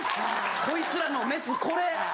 こいつらのメスこれ？